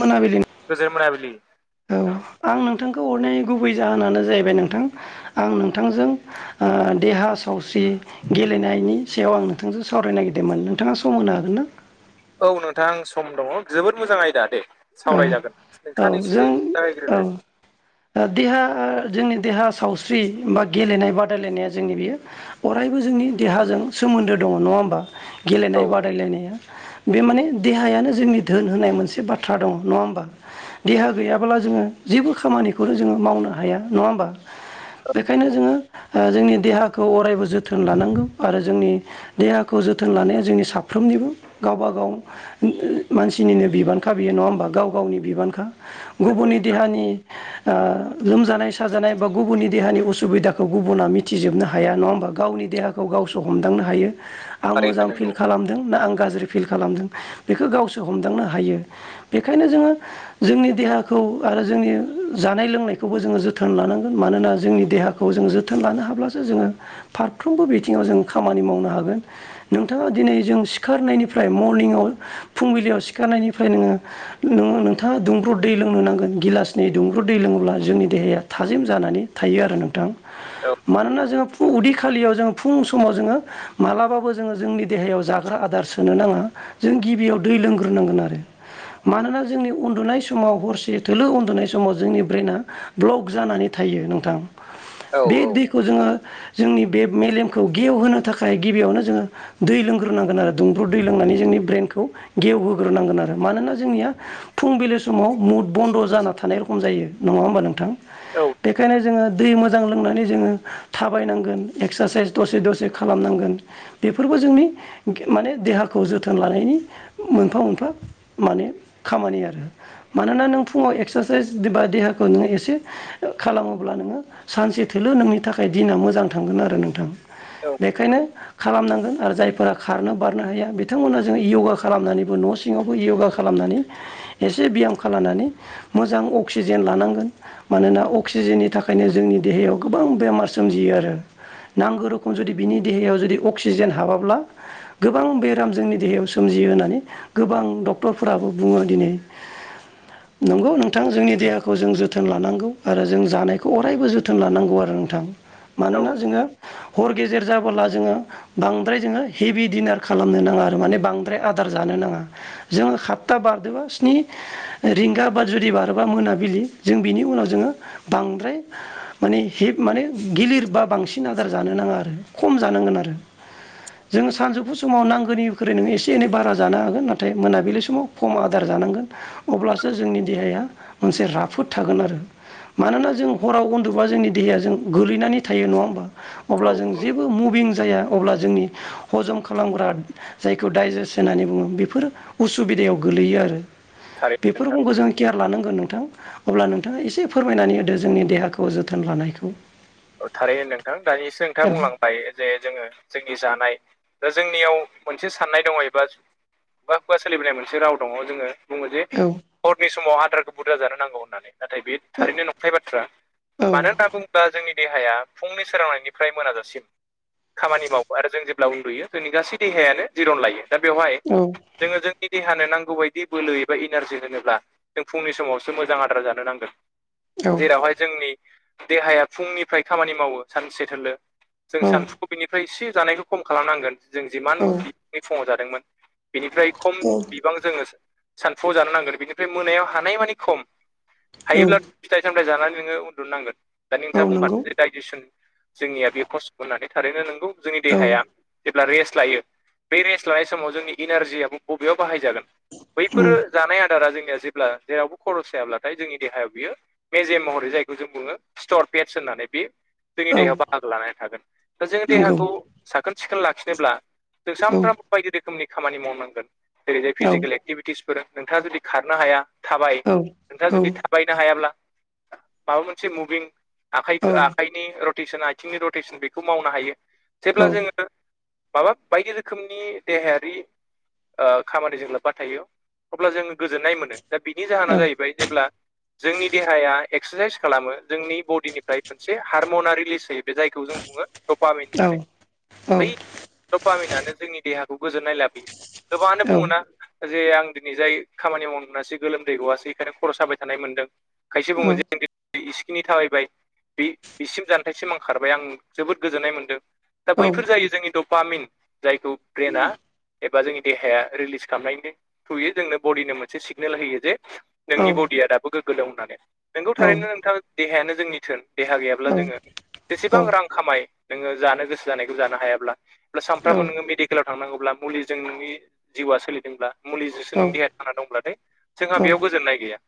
मोनाबिलि गोजोन मोनाबिलि। औ आं नोंथांखौ अरनायनि गुबै जाहोनानो जाहैबाय नोंथां आं नोंथांजों देहा सावस्रि गेलेनायनि सायाव आं नोंथांजों सावरायनो नागिरदोंमोन नोंथाङा सम होनो हागोन ना? औ नोंथां सम दङ जोबोद मोजां आयदा दे। औ सावरायजागोन औ नोंथाङा एसे जों जे जागायग्रोदो। औ ओ देहा जोंनि देहा सावस्रि बा गेलेनाय बादायलायनाया जोंनि बेयो अरायबो जोंनि देहाजों सोमोन्दो दङ नङा होमबा। औ गेलेनाय बादायलायनाया बे माने देहायानो जोंनि धोन होनाय मोनसे बाथ थ्रा दङ नङा होनोमबा। देहा गैयाब्ला जोङो जेबो खामानिखौनो जोङो मावनो हाया नङा होमबा। बेखायनो औ जोङो ओ जोंनि देहाखौ अरायबो जोथोन लानांगौ आरो जोंनि देहाखौ जोथोन लानाया जोंनि साफ्रोमनिबो गावबा गाव मानसिनिनो बिबान। खा बियो नङा होमबा गाव गावनि बिबानखा नंगौ गुबुननि नोंथां देहानि ओ लोमजानाय साजानाय बा गुबुननि देहानि असुबिदाखौ गुबुना मिथि मिथिजोबनो हाया नङा होमबा गावनि देहाखौ गावसो हमदांनो हायो। आं थारैनो मोजां फिल नंगौ खालामदों ना आं गाज्रि फिल खालामदों बेखौ गावसो हमदांनो हायो। बेखायनो जोङो जोंनि देहाखौ आरो जोंनि जानाय लोंनायखौबो जोङो जोथोन लानांगोन मानोना जोंनि देहाखौ खौ जों जोथोन लानो हाब्लासो जोङो फारफ्रोमबो बिथिङाव जों खामानि मावनो हागोन। नोंथाङा दिनै जों सिखारनायनिफ्राय मरनिंआव फुंबिलियाव सिखारनायनिफ्राय नोङो नोङ नोंथाङा दुंब्रुद दै लोंनो नांगोन गिलासनि दुंब्रु दै लोङोब्ला जोंनि देहाया थाजिम जानानै थायो आरो नोंथां औ मानोना जोङो उदै खालियाव जों फुं समाव जोङो मालाबाबो जोङो जोंनि देहायाव जाग्रा आदार सोनो नाङा जों गिबियाव दै लोंग्रोनांगोन आरो मानोना जोंनि उन्दुनाय समाव हरसे थोलो उन्दुनाय समाव जोंनि ब्रेना ब्लक जानानै थायो नोंथां औ बे दैखौ जोङो जोंनि बे मेलेमखौ गेवहोनो थाखाय गिबियावनो जोङो दै लोंग्रोनांगोन आरो दुंब्रु दै लोंनानै जोंनि ब्रेनखौ गेवहोग्रोनांगोन आरो मानोना जोंनिया फुंबिलि समाव मुद बन्द' जाना थानाय रखम जायो नङा होमबा नोंथां। औ बेखायनो जोङो दै मोजां लोंनानै जोङो थाबायनांगोन एक्सारसाइस दसे दसे खालामनांगोन। बेफोरबो जोंनि माने देहाखौ जोथोन लानायनि मोनफा मोनफा माने खामानि आरो मानोना नों फुङाव एक्सारसाइस बा देहाखौ नोङो एसे ओ खालामोब्ला नोङो सानसे थोलोलो नोंनि थाखाय दिना मोजां थांगोन आरो नोंथां। नोंथां बेखायनो खालामनांगोन आरो जायफोरा खारनो बारनो हाया बिथांमोना जोङो य'गा खालामनानैबो न' सिङाव यगा खालामनानै एसे बयाम खालामनानै मोजां अक्सिजेन लानांगोन। मानोना अक्सिजेननि थाखायनो जोंनि देहायाव गोबां बेमार सोमजियो आरो नांगौ रोखोम जुदि बिनि देहायाव जुदि अक्सिजेन हाबाब्ला गोबां बेराम जोंनि देहायाव सोमजियो होननानै गोबां डक्टरफोराबो बुङो दिनै [inaudible] नंगौ नोंथां जोंनि देहाखौ जों जोथोन लानांगौ आरो जों जानायखौ अरायबो जोथोन लानांगौ आरो नोंथां। औ मानोना जोङो हर गेजेर जाबोला जोङो बांद्राय जोङो हेभि डिनार खालामनो नाङा आरो माने बांद्राय आदार जानो नाङा। जोङ सातथा बारदोबा स्नि रिंगा बा जुदि बारोबा मोनाबिलि जों बिनि उनाव जोङो बांद्राय माने हेप माने गिलिर बा बांसिन आदार जानो नाङा आरो खम जानांगोन आरो जोंङो सानजौफु समाव नांगौनिख्र नोङो एसे एनै बारा जानो हागोन नाथाय मोनाबिलि समाव खम आदार जानांगोन। अब्लासो जोंनि देहाया मोनसे राफोद थागोन आरो मानोना जों हराव उन्दोबा जोंनि देहाया जों गोगलैनानै थायो नङा होमबा। अब्ला औ जों औ जेबो मुभिं जाया अब्ला जोंनि हजम खालामग्रा जायखौ दडाइजेस्ट होननानै बुङो बेफोर [unintelligible] उसुबिदायाव गोलैयो आरो थारैनो नोंथां बेफोरखौबो जों केयार लानांगोन नोंथां अब्ला नोंथाङा एसे फोरमायनानै होदो जोंनि देहाखौ जोथोन लानायखौ। औ थारैनो नोंथां दानिसो नोंथाङा बुंलांबाय [unintelligible] जे जोङो जोंनि जानाय दा जोंनियाव मोनसे साननाय दङ एबा बा खुगा खुगा सोलिबोनाय मोनसे राव दङ जोङो बुङो जे औ हरनि समाव आदारखौ बुरजा जानो नांगौ होननानै नाथाय बे थारैनो नंखाय बाथ्रा। औ मानो होनना बुङोब्ला जोंनि देहाया फुंनि सोरांनायनिफ्राय मोनाजासिम खामानि मावो आरो जों जेब्ला उन्दुयो जोंनि गासै देहायानो जिरन लायो दा बेवहाय औ जोङो जोंनि देहानो नांगौ बायदि बोलो एबा इनारजि होनोब्ला जों फुंनि समावसो मोजां आदार जानो नांगोन औ जेरावहाय जोंनि देहाया फुंनि फ्राय खामानि मावो सानसे थोरलोलो जों सानसुखौ बिनिफ्राय एसे जानायखौ खम खालामनांगोन। जों जिमान औ बिबांनि फुङाव जादोंमोन बेनिफ्राय खम औ बिबां जोङो सानफुआव जानो नांगोन बिनिफ्राय मोनायाव हानाय मानिे खम औ हायोब्ला। फिथाइ सामथथाय जानानै नोङो उन्दुननांगोन दा नोंथाङा औ बुंखादो नंगौ जे दडाइजेसन जोंनिया बे खस्थ' होननानै थारैनो नोंगौ जोंनि औ देहाया जेब्ला रेस्ट लायो। बे रेस्ट लानाय समाव जोंनि इनारजियाबो बबेयाव बाहायजागोन उम बैफोरो जानाय आदारा जोंनिया जेब्ला जेरावबो खरस जायाब्लाथाय जोंनि देहायाव बियो मेजे महरै जायखौ जों बुङो स्टरपेट्स होननानै बे जोंनि औ देहायाव बाहागो लानानै थागोन दा जोंङ नंगौ देहाखौ साखोन सिखोन लाखिनोब्ला जों औ सानफ्रामबो बायदि रोखोमनि खामानि मावनांगोन जेरैहाय औ फिजिकेल एक्टिभि स फोर नोंथाङा जुदि खारनो हाया थाबाय औ नोंथाङा जुदि बायनो हायाब्ला माबा मोनसे मुभिं आ औ आ रेसन आथिंनि रटेसन बेखौ मावनो हायो औ जेब्ला जोङो माबा बायदि रोखोमनि देहायारि ओ खामानिजों लोब्बा थायो अब्ला जोङो गोजोननाय मोनो। दा बिनि जाहोना जाहैबाय जेब्ला जोंनि देहाया एक्सारसाइस खालामो जोंनि बडिनि ओमफ्राय मोनसे हारमना रिलिज होायोयो बे जायखौ जों बुङो थपामिन होननानै औ बै रपामिनानो जोंनि देहाखौ गोजोननाय लाबोयो गोबाङानो बुङोना जे आं दिनै जाय खामानि मावनोासै गोलोमदै गवासै बेखायनो खर' जाबाय थानाय मोनदों। खायसे बुङो जों इसेखिनि थाबायबाय बे बिसिम जानथायसिम आं खारबाय आं जोबोद गोजोननाय मोनदों दा बैफोर जायो जोंनि ड फामिं जायखौ ब्रेनाआ एबा जोंनि देहाया रिलिज खालामनायनि थ्रुयै जोंनो बडिनो मोनसे सिगनेल होयो जे नोंनि बडिया दाबो गोग्गो दं होननानै नोंगौ थारैनो नोंथां देहायानो जोंनि थोन देहा गैयाब्ला जोङो जेसेबां औ रां खामाय नोङो जानो गोसो जानायखौ जानो हायाब्ला अब्ला सानफ्रोमबो नोङो मेडिकेलाव थांनांगौब्ला मुलि जों नोंनि जिउआ सोलिदोंब्ला मुलिजोसो औ नोंनि देहाया थाना दंब्लाथाय जोंहा बेयाव गोजोननाय गैया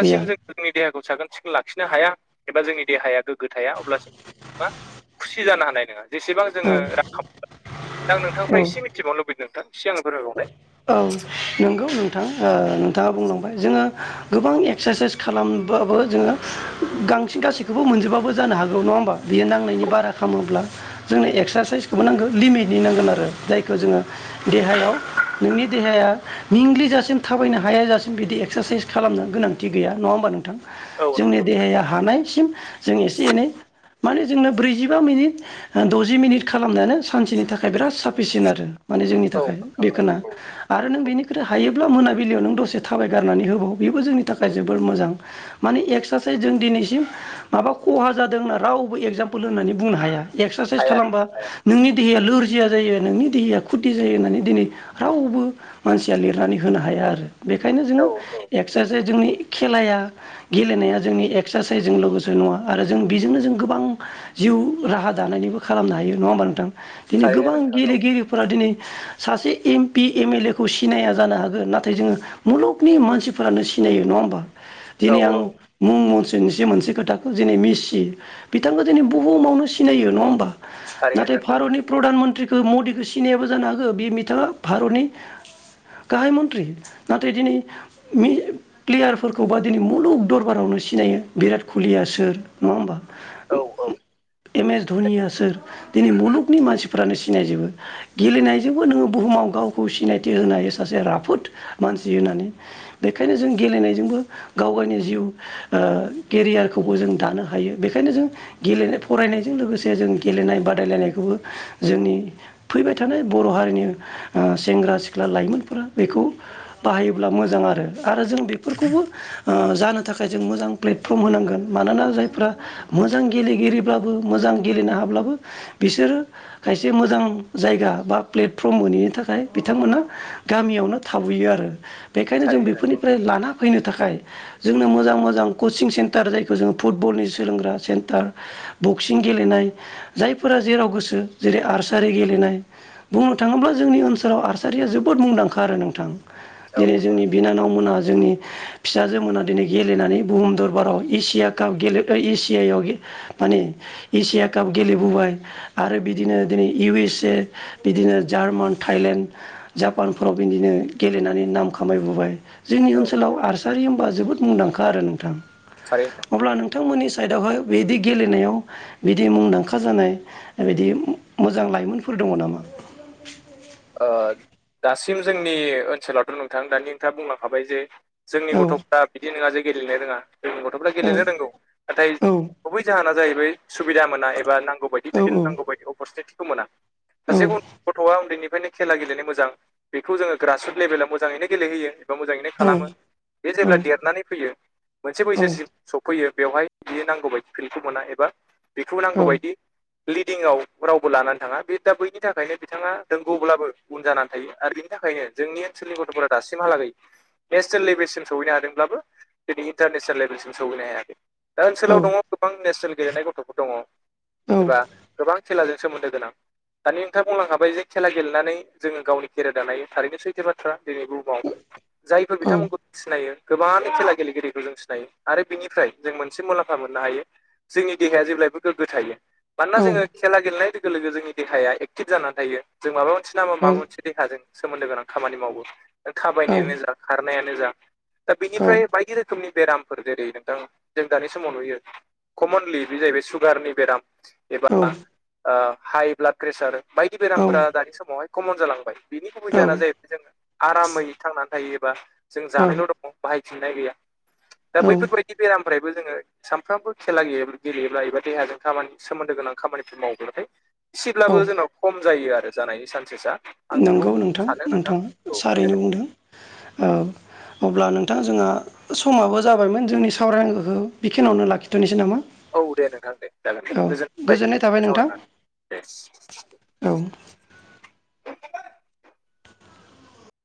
गैया जों जोंनि देहाखौ साखोन सिखोन लाखिनो हाया एबा जोंनि देहाया गोग्गो थाया अब्लासिम मा खुसि जानो हानाय नङा जेसेबां जोङो [unintelligible] आं औ नोंथांफ्रा एसे मिथिबावनो लुबैदों नोंथां एसे आंनो फोरमायबावनाय ओं नोंगौ नोंथां ओ नोंथाङा बुंलांबाय जोङो गोबां एक्सारसाइस खालामबाबो जोङो गांसिन गासैखौबो मोनजोबाबो जानो हागौ नङा होमबा। बियो नांनायनि बारा खामोब्ला जोंनो एक्सारसाइसखौबो नांगौ लिमिटनि नांगोन आरो जायखौ जोङो देहायाव नोंनि देहाया मिंग्लिजासिम थाबायनो हायाजासिम बिदि एक्सारसाइस खालामनो गोनांथि गैया नङा होमबा नोंथां। औ जोंनि नंगौ नोंथां देहाया हानायसिम जों एसे एनै माने जोंनो ब्रैजिबा मिनिट दजि मिनिट खालामनायानो सानसेनि थाखाय बिराद साफिसियेन्ट आरो माने जोंनि औ थाखाय नोंथां औ बेखोना औ आरो नों औ बेनिख्रुइ हायो ब्ला मोनाबिलियाव नों दसे थाबाय गारनानै होबाव बेबो जोंनि थाखाय जोबोर मोजां माने एक्सारसाइस जों दिनैसिम माबा खहा जादों होनना रावबो एगजामपोल होनानै बुंनो हाया। एक्सारसाइस हाया खालाममाबा नोंथां हाया नोंनि देहाया लोरजिया जायो नोंनि देहाया खुथि जायो होननानै दिनै रावबो मानसिया लिरनानै होनो हाया आरो बेखायनो जोङो औ औ एक्सारसाइस जोंनि खेलाया गेलेनाया जोंनि एक्सारसाइसजों लोगोसे नङा आरो जों बेजोंनो जों गोबां जिउ राहा दानायनिबो खालामनो हायो नंङा होमबा नोंथां दिनै गोबां थारैनो नोंथां औ गेलेगिरिफोरा दिनै सासे M P M L A खौ सिनाया जानो हागो नाथाय जोंङो। मुलुगनि मानसिफोरानो सिनायो नङा होमबा औ दिनै आं मुं मनस्रिनिसो मोनसे खोथाखौ जेनै मेसि बिथांखौ दिनै बुहुमावनो सिनायो नंङा होमबा नाथाय थारैनो नंगौ भारतनि प्रधान मन्त्रिखौ मदिखौ सिनायाबो जानो हागौ बे बिथाङा भारतनि गाहाय मन्त्रि नाथाय दिनै मि प्लेयारफोरखौबा दिनै मुलुग दरबारावनो सिनायो बिराट कहलिया सोर नङा होमबा औ औ एम एस धनिया सोर दिनै मुलुगनि मानसि फोरानो सिनायजोबो गेलेनायजोंबो नोंङो बुहुमाव गावखौ सिनायथि होनो हायो सासे राफोद मानसि होननानै बेखायनो जों गेलेनायजोंबो गावगायनि जिउ ओ केरियारखौबो जों दानो हायो बेखायनो जों गेलेनाय फरायनायजों लोगोसे जों गेलेनाय बादायलायनायखौबो जोंनि फैबाय थानाय बर हारिनि ओ सेंग्रा सिख्ला लाइमोनफोरा बेखौ बाहायोब्ला मोजां आरो आरो जों बेफोरखौबो ओ जानो थाखाय जों मोजां प्लेटफर्म होनांगोन मानोना जायफ्रा मोजां गेलेगिरिब्लाबो मोजां गेलेनो हाब्लाबो बिसोरो खायसे मोजां जायगा बा प्लेटफर्म मोनैनि थाखाय जाय बिथांमोना गामियावनो थाबोयो आरो बेखायनो जों थारैनो नंगौ बेफोरनिफ्राय लाना फैनो थाखाय जोंनो मोजां मोजां कचिं सेन्टार जायखौ जोंङो फुटबलनि सोलोंग्रा सेन्टार बक्सिं गेलेनाय जायफोरा जेराव गोसो जेरै आर्सारि गेलेनाय बुंनो थाङोब्ला जोंनि ओनसोलाव आरसारिया जोबोद मुंदांखा आरो नोंथां औ दिनै जोंनि औ बिनानाव मोनहा जोंनि फिसाजोमोना दिनै गेलेनानै बुहुम दरबाराव एसिया काप गेलेथाय एसियायाव माने एसिया काप गेलेबोबाय आरो बिदिनो दिनै इउ एस ए बिदिनो जार्मान थाइलेण्ड जापानफोराव बिदिनो गेलेनानै नाम खामायबोबाय जोंनि औ औ ओनसोलाव आर सारि होमबा जोबोद मुंदांखा आरो नोंथां। थारैनो अब्ला नोंथांमोननि साइडआवहाय बेदि गेलेनायाव बिदि मुंदांखा जानाय बिदि मोजां लाइमोनफोर दंङ' नामा? ओ दासिम जोंनि ओनसोलावथ' नोंथां दानि नोंथाङा बुंलांखाबाय जे जोंनि औ गथ'फ्रा बिदि नङा जे गेलेनो रोङा जोंनि गथ'फ्रा औ गेलेनो रोंगौ नाथाय औ गुबै जाहोना जाहैबाय सुबिदा मोना एबा नांगौ बायदि औ फिल नांगौ बायदि अपरसुनिटिखौ मोना औ सासे गथ'आ उन्दैनि ओखायनो खेला गेलेनो मोजा बेखौ जोंङो ग्रास रुट लेभेलाव मोजाङैनो गेलेयो एबा मोङैनो खालामो बे औ जेब्ला देरनानै फैयो मोनसे औ बैसोसिम सफैयो बेवहाय बियो नांगौ बायदि फिल्डखौ मोना एबा बेखौ नांगौबायदि लिडिंआव रावबो लानानै थांङा बे दा बैनि थाखायनो बिथांङा नोंगौब्लाबो उन जानानै थायो आरो बिनि थाखायनो जोंनि ओनसोलनि गथ'फोरा दासिमहालागै नेसनेल लेभेलसिम सहैनो हादोंब्लाबो दिनै इन्टारनेसनेल लेभेलसिम सौहैनो हायाखै दा ओनसोलाव दङ गोबां नेसनेल गेलेनाय गथ'फोर दंङ'। एबा गोबां खेलाजों सोमोन्दो गोनां दानि नोंथाङा बुंलांखाबाय जे खेला गेलेनानै जोङो गावनि केरियार दानाय थारैनो सैथो बाथ्रा दिनै बुहुमाव जायफोर बिथांमोनखौ सिनायो गोबां खेला गेलेगिरिखौ जों सिनायो आरो बिनिफ्राय जों मोनसे मुलाम्फा मोननो हायो जोंनि देहाया जेब्लायबो गोग्गो थायो। मानोना जोङो खेला गेलेनाय लोगो लोगो जोंनि देहाया एक्टिभ जानानै थायो जों माबा मोनसे नामा माबा मोनसे देहाजों सोमोन्दो गोनां खामानि मावो नों थाबायनायानो जा खारनायानो जा दा बिनिफ्राय बायदि रोखोमनि बेरामफोर जेरै नोंथां जों दानि समाव नुयो कमनलि बे जाहैबाय सुगारनि बेराम एबा औ हाइ ब्लाड प्रेसार बायदि बेरामफोरा दानि समावहाय कमन जालांबाय। बिनि गुबै जाहोना जाहैबाय जों आरामै थांनानै थायो एबा जों जानायल' दङ बाहायफिननाय गैया दा औ बैफोरबायदि बेरामनिफ्रायबो जोङो सानफ्रोमबो खेला गेल गेलेयोब्ला एबा देहाजों खामानि सोमोन्दो गोनां खामानिफोर माव्लाथाय एसेब्लाबो औ जोंनाव खम जायो आरो जानायनि सान्सेसा आं बेखौ नंगौ नोंथां सानो नोंथाङा औ दे सारैनो बुंदों औ अब्ला नोंथां जोंहा समाबो जाबायमोन जोंनि सावरायखौ बिखिनियावनो लाखिथ'नोसै नामा? औ दे नोंथां दे जागोन दे औ गोजोनबाय गोजोननाय थाबाय नोंथां सावरायनानै दे। औ